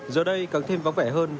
giờ đây càng thêm vắng vẻ hơn